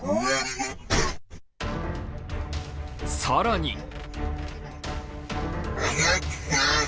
更に